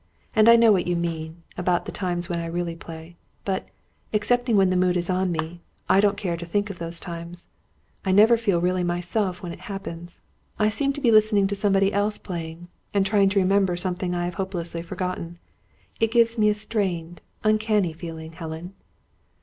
And I know what you mean, about the times when I really play. But, excepting when the mood is on me, I don't care to think of those times. I never feel really myself when it happens. I seem to be listening to somebody else playing, and trying to remember something I have hopelessly forgotten. It gives me a strained, uncanny feeling, Helen."